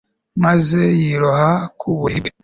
maze yiroha ku buriri bwe